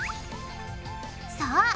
そう！